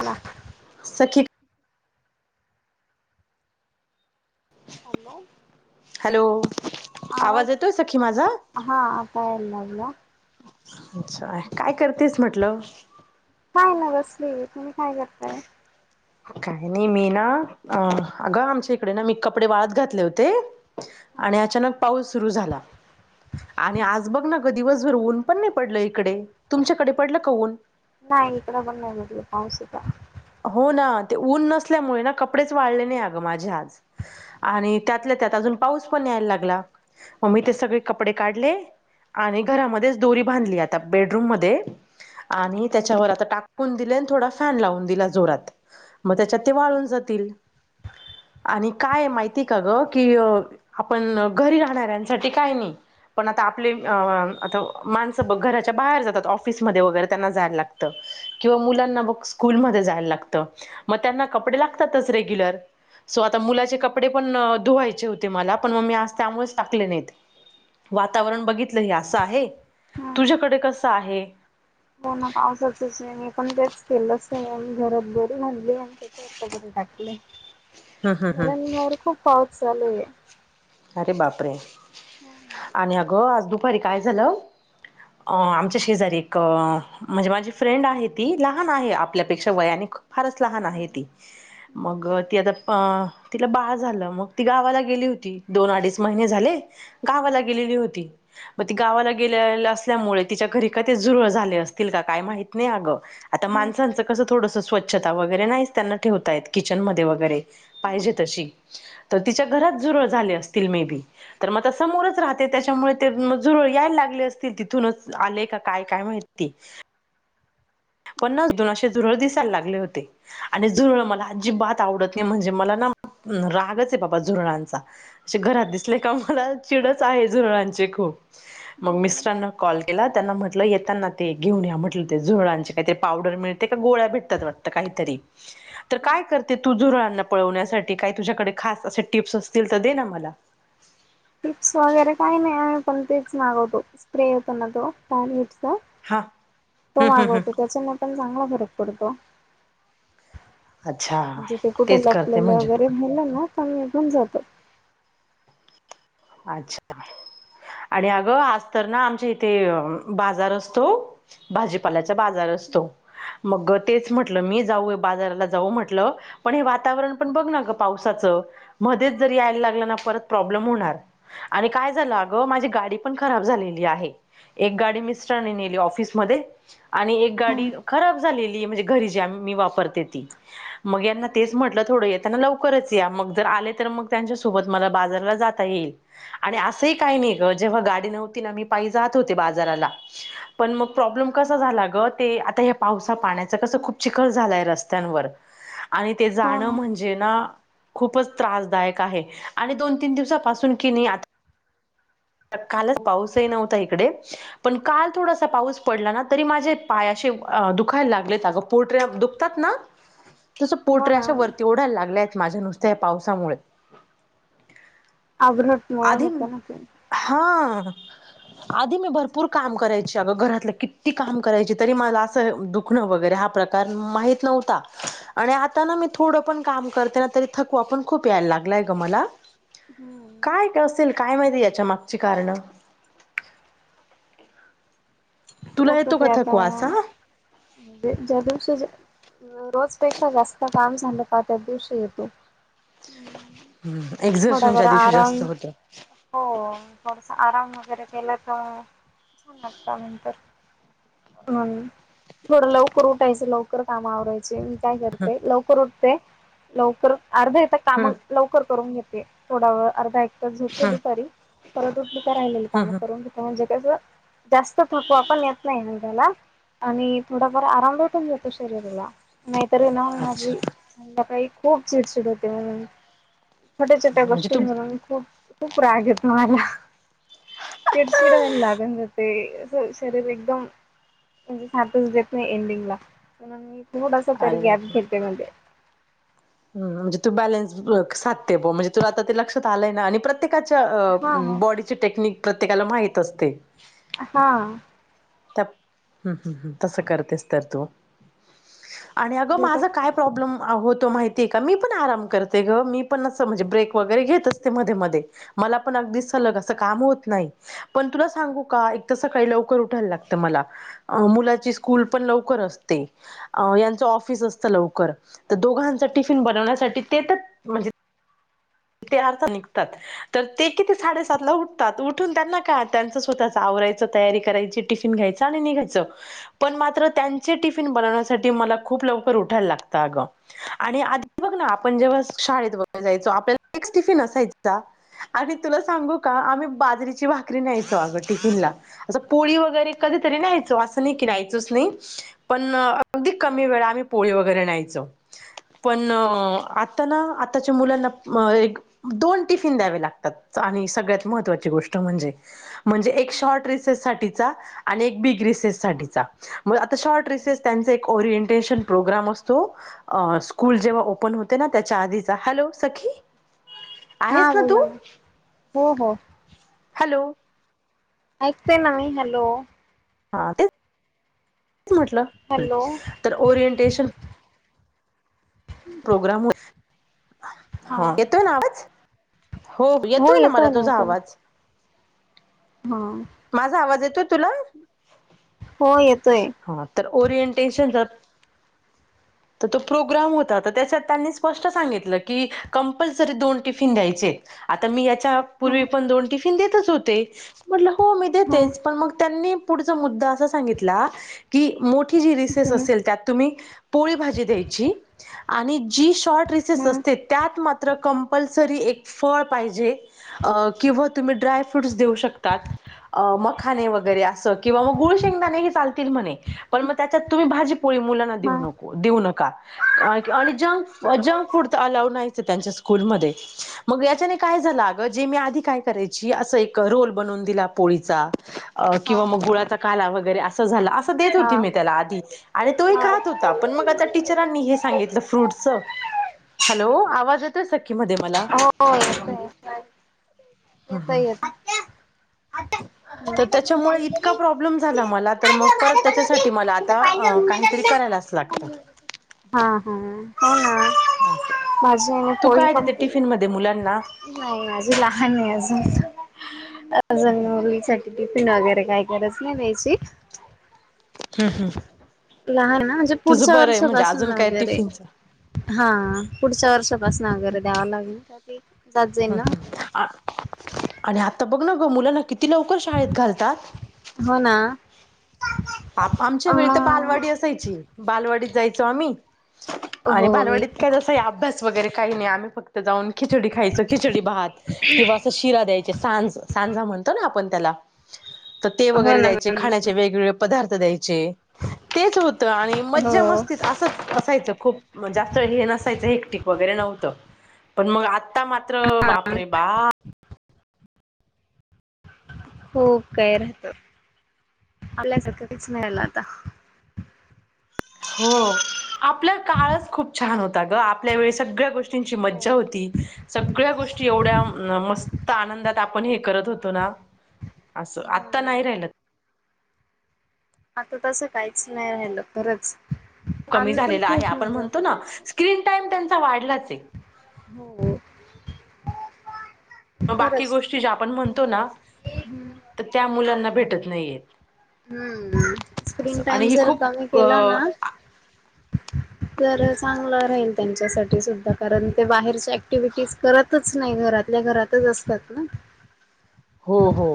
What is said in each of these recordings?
आला सखी hello. Hello आवाज येतोय सखी माझा हा आता यायला लागला. अच्छा काय करतेस म्हटलं? काय ना बसली तुम्ही काय कर [inaudible] काय नाही मी ना अ अगं आमच्या इकडे ना मी कपडे वाळत घातले होते. आणि अचानक पाऊस सुरू झाला. आणि आज बघ ना ग दिवसभर उन्ह पण नाही पडलं इकडे तुमच्याकडे पडलं का उन्ह नाही इकडं पण नाही भेटलं पाऊस हो ना ते उन्ह नसल्यामुळे ना कपडेच वाढले नाही अगं माझे आज आणि त्यातल्या त्यात अजून पाऊस पण यायला लागला मग मी ते सगळे कपडे काढले आणि घरामध्ये दोरी बांधली आता बेडरूम मध्ये हम्म आणि त्याच्यावर आता टाकून दिले थोडा फॅन लावून दिला. जोरात मग त्याच्यात ते वाळून जातील आणि काय माहिती का ग की आपण घरी राहणाऱ्यांसाठी काय नाही. पण आता आपले आता माणसं बघ घराच्या बाहेर जातात ऑफिसमध्ये वगैरे त्यांना जायला लागत. किंवा मुलांना बघ स्कूलमध्ये लागत मग त्यांना कपडे लागतातच रेग्युलर सो आता मुलाचे कपडे पण धुवायचे होते मला पण मग मी आज त्यामुळेच टाकले नाहीत. वातावरण बघितलं हे असं आहे तुझ्याकडे कस आहे? हो ना पावसाचच आहे मी पण तेच केलंच नाही घरात बरी म्हली अन् कबरी टाकले हम्म हम्म हम्म मवर खूप पाऊस चालूए. अरे बापरे आणि अगं आज दुपारी काय झालं अ आमच्या शेजारी एक अ म्हणजे माझी फ्रेंड आहे ती लहान आहे आपल्यापेक्षा वयानिक फारच लहान आहे ती मग ती आता अ तिला बाळ झालं मग ती गावाला गेली होती दोन अडीच महिने झाले- गावाला गेलेली होती. मग ती गावाला गेले असल्यामुळे तिच्या घरी कधीच झुरळ झाले असतील का काही माहित नाही अगं आता माणसांचं कसं थोडस स्वच्छता वगैरे नाही त्यांना ठेवता येत किचनमध्येध्ये वगैरे पाहिजे तशी तर तिच्या घरात झुरळ झाले असतील मे बी. तर मग आ समोरच राहते त्याच्यामुळे ते झुरळ यायला लागले असतील तिथूनच आले का काय काय माहित. ते पन्नास दोनाशे जुरळ दिसायला लागले होते आणि झुरळ मला अजीबात आवडत ते म्हणजे मला ना रागच आहे बाबा झुरळांचा अे घरात दिसले का मला चिडच आहे झुरळांचे खूप मग मिस्टरांना कॉल केला त्यांना म्हटलं येताना ते घेऊन या म्हटलं ते झुरळांचे काय ते पावडर मिळते का गोळ्या भेटतात वाटत काहीतरी काय करते तू झुरळांना? पळविण्यासाठी काही तुझ्याकडे खास अस टिप्स असतील तर दे ना मला. टिप्स वगैरे काही नाही आम्ही पण तेप मागवतो स्प्रे हो पण ना तो त्यानेच हा तो हम्म हम्म मागवतो हम्म त्याच्यान पण चांगला फरक पडतो. अच्छा म्हणजे ते कुठं तेच करते लपलेले म्हणजे वगैरे राहील ना ते पण निघून जात. अच्छा आणि अगं आज तर ना आमच्या इथे बाजार असतो भाजीपाल्याचा बाजार असतो. मग तेच म्हटलं हम्म मी जाऊय बाजाराला जाऊ म्हटलं. पण हे वातावरण पण बघ ना ग पावसाचं मध्येच जरी यायला लागलं ना परत प्रॉब्लेम होणार. आणि काय झालं अगं माझी गाडी पण खराब झालेली आहे. एक गाडी मिस्ट्ररांनी नेली ऑफिसमध्ये. आणि एक गाडी खराब झालेली म्हणजे घरी जी आम्ही मी वापरते ती. मग यांना तेच म्हटलं येताना थोडं त्यांना लवकरच या मग जर आले तर मग त्यांच्यासोबत मला बाजारला जात येईल. आणि असंही काही नाही ग जेव्हा गाडी नव्हती ना मी पायी जात होते बाजाराला. पण मग प्रॉब्लेम कसा झाला ग ते आता हे पावसा पाण्याच कसं खूप चिखल झालाय रस्त्यांवर अन ऎंटिलेजेबल आणि ते हो ना हो जाणं ना म्हणजे ना खुपच त्रासदायक आहे आणि दोन तीन दिवसापासून की नाही आता कालच पाऊसही नव्हता इकडे पण काल थोडासा पाऊस पडला ना तरी माझे पाय असे दुखायला लागलेत गं पोटर्या दुखतात ना. तस हो पोटर्या ना अशा वरती ओढायला लागल्याय माझ्या नुसत्या या पावसामुळे. अव्रट मु आधी होत ना ते हा आधी मी भरपूर काम करायची अगं घरातलं किती काम करायची तरी मला असं दु खण वगैरे हा प्रकार माहित नव्हता. आणि आता ना मी थोडं पण काम करते ना तरी थकवा पण खूप यायला लागलाय ग मला. हम्म. काय असेल काय माहिती याच्या मागची कारणं. तुला होत येतो का ते आता. थकवा असा हम्म, ज्या दिवशी रोजपेक्षा जास्त काम झालं पाहा त्या दिवशी येतो. हम् हम्म एक्झर्शनच्या दिवशी जास्त होतं. हो थोडस आराम वगैरे केलं तर छान लागतं नंतर. हम थोडं लवकर उठायचं लवकर काम आवरायचे. काय करते लवकर उठते लवकर अर्ध येतात हम्म काम लवकर करून घेते. थोडा वेळ अर्धा ऐक तास झोपते हम्म दुपारी परत उठली का राहिलेली हम्म काम करून घेते. म्हणजे कसं जास्त थकवा पण येत नाही त्याला आणि थोडाफार आराम वाटून जातो शरीराला हम्म अच्छा नाहीतरी सकाळी खुप चिडचिड होते म्हणुन छोट्या छोट्या म्हणजे तू गोष्टींवरून खुप खुप राग येतो मला. चिडचिड व्हायला लागुन जाते. शरीर एकदम म्हणजे साथच देत नाही एडिंगला. थोडस तरी अरे ग्याप घेते मध्ये ह म्हणजे तु बॅलेन्स साधते बो म्हणजे तु आता ते लक्षात आलंय ना आणि प्रत्ये प्रत्येकाच्या हा बॉडीची टेक्निक प्रत्येकाला माहित असते. हा. हम् हम् हम् तसं करतेस तर तु आणि अगं माझा काय प्रॉब्लेम होतो माहिती. माहीती का मी पण आराम करते ग मी पण म्हणजे ब्रेक वगैरे घेत असते मध्ये मध्ये मला पण अगदी सलग असं काम होत नाही. पण तुला सांगु का एक तसं काही लवकर उठायला लागतं मला. अ मुलाची स्कुल पण लवकर असते. यांचं ऑफिस असत लवकर तर दोघांचि टिफिन बनण्यासाठीच ते अर्थ निघतात. तर ते किती साडेसात ला उठतात उठून त्यांना का त्यांचं स्वतःच आवरायच तयारी करायची. टिफिन घ्यायच आणि निघायच पण मात्र त्यां टिफिन बनवण्यासाठी मला खुप लवकर उठायला लागतं अग आणि आधी बघ ना आपण जेव्हा शाळेत बघ जायचो आपल्याला एकस टिफिन असायचा. आणि तुला सांगू का आम्ही बाजरीची भाकरी न्यायचो अगं टिफिनला असं पोळी वगैरे कधीतरी न्यायचो असं नाही की नाहीयचच नाही. पण अगदी कमी वेळा आम्ही पोळी वगैरे न्यायचो. पण आता ना आताच्या मुलांना एक दोन टिफिन द्यावे लागतात आणि सगळ्यात महत्त्वाची गोष्ट म्हणजे म्हणजे एक शॉर्ट रिसेस साठीचा आणि एक बिग रिसेस साठीचा मग आता शॉर्ट रेसेस त्यांचा एक ओरिएंटेशन प्रोग्राम असतो स्कूल जेव्हा ओपन हो ना त्याच्या आधीचा हॅलो सखी हा आहेस ना तू बोोलला म हो हो. हॅलो. ऐकते न मी हॅलो. हा ते म्हटलं हॅलो तर ओरिएंटेशन प्रोग्राम हा ह येतो नावाज हो येतोय ना मला तुझा आवाज हा. माझा आवाज येतोय तुला? हो येतोय. हा तर ओरिएंटेशन ज तर तो प्रोग्राम होतात. तर त्याच्यात त्यांनी स्पष्ट सांगितलं की कंपल्सरी दोन टिफिन द्यायचे आता मी याच्या पूर्वी ह पण दोन टिफिन देतच होते म्हटलं हो मी ह देतेच पण मग त्यांनी पुढ मुदा अस सांगित क मोठी जी र ह ह असेल त्यात तुम्ही? पोळी भाजी द्यायची आणि जी शॉर्ट रिसेस असते. त्यात मात्र कंपल्सरी एक फळ पाहिजे. अ किंवा तुम्ही ड्राय फ्रूट्स देऊ शकतात. अ मखाने वगैरे असं किंवा मग गुळ शेंगदाणे हे चालतील म्हणे पण मग त्याच्यात तुम्ही भाजी पोळी मुलांना देऊ नको देऊ नका आणि जंक जंक फूड तर अलाव नाहीच त्यांच्या स्कूलमध्येध्ये मग याच्याने काय झालं अग जे मी आधी काय करायची असं एक रोल बनवून दिला पोळीचा हा किंवा मग गुळाचा काला वगैरे असं झाला असं देत हा होती मी त्याला आधी आणि तोही हा खात होता पण मग आता टीचर सगितट हलो आवा य हो येत येत हा ह तर त्याच्यामुळे इतका प्रॉब्लेम झाला मला तर मग परत त्याच्यासाठी मला आता काहीतरी करायला असत लागत हा हा हो ना अस माझी आणि तू पोळी काय देते कंप्ली टिफिन मध्ये मुलांना नाही अज लहान आहे अजून अजून मुली टिफिन वगैरे काय कच नाही नाहीची लहान ना म्हणजे तुझं पुढच्या बरं आहे म्हणजे वर्षापासून अजून ना काय वगैरे टिफिनच हा पुढच्या वर्षापासून अगैरे द्याव लागलत ह आणि आता बघ ना ग मुलं ना किती लवकर शाळेत घालतात होना आ आमच्या वेळी तर बालवाडी असायची बालवाडीत जायचो आम्ही आणि हो मी भालवडीत काय तस या अभ्यास नाही आम् फतऊ खि खाय खहं शिरा द्यायचे सांज सांजा म्हणतो ना आपण त्याला तर ते हो वगैरे ना जायचे हो ना खाण्याचे वेगवेगळे द्याय चे तेच होत आणि मज्जा हो मस्तीत असंच असायचं खूप म जास्त हे नसायचं हेटिक वगैरे नव्हतं पण मग आ आता मात्र वापरे बा हो काय राहत आल्याचं काहीच नाही आला आता. हो आपल्या काळच खूप छान होता ग आपल्या वेळी सगळ्या गोष्टी ची मज्जा होती. सगळ्या गोष्टी एवढ्या मस्त आनंदात आपण हे करत होतो ना. असं हो आत्ता ना. नाही राहिल. आता तसं काहीच नाही राहिल खरंच. कमी आम्ही पण झालेला आहे खूप आपण मजा म्हणतो ना करायचो. स्क्रीन टाइम त्यांचा वाढलाचय. हो. मग बाकी गोष्टी ज्या आपण म्हणतो ना. हम्म. तर त्या मुलांना भेटत नाहीयेत. हम्म अस स्क्रीन आणि टाइम हि जर खूप कमी केला ना अ तर चांगलं राहील त्यांच्यासाठी सुद्धा कारण ते बाहेरच्या ऍक्टिव्हटीज करत च नाही घरातल्या घरातच असतात ना ह हो हो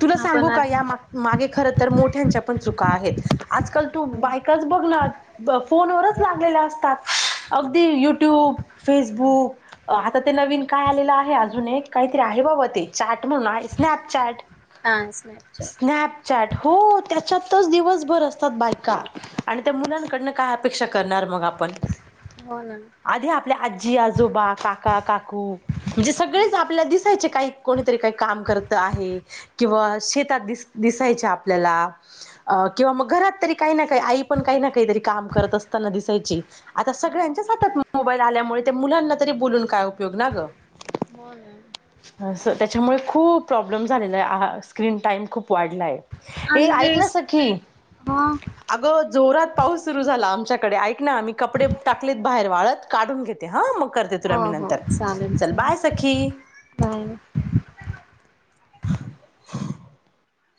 तुला सांगू आपण आ का या मागे खर तर मोठ्यांच्या पण चुका आहेत आजकाल तू बायकाच बघणार फोनवरच लागलेल्या असतात अगदी यूट्यूब, फेसबुक आता ते नवीन काय आलेलं आहे अजून एक काहीतरी आहे बाबा ते? चॅट म्हणा, स्नॅपचॅट, हा स्नॅपचॅट स्नॅप चॅट हो त्याच्यातच दिवसभर असतात बायका. आणि त्या मुलांकडन काय अपेक्षा करणार मग आप पण हो ना आधी आपल्या आजी, आजोबा, काका काक कू म्हणजे सगळेच आपल्या दिसायचे काही कोणीतरी काही काम करत आहे किंवा शेतात दिस दिसायचे आपल्याला. अ किंवा मग घरात तरी काही ना काही आई पण काही ना काहीतरी काम करत असताना दिसायची. आता सगळ्यांच्याच हातात मोबाईल आल्यामुळे त्या मुलांना तरी बोलुन काय उपयोग ना ग हो न. अस त्याच्यामुळे खूप प्रॉब्लेम झालेला आहे स्क्रीन टाइम खूप वाढलाय. हे आणि ऐक ना तेच सखी हा अगं जोरात पाऊस सुरू झाला आमच्याकडे ऐक ना मी कपडे टाकलेत बाहेर वाळत काढून घेते हा मग करते तुला मी हो हो नंतर चालेल चल चालेल बाय सखी. [unintelligible] [inaudible]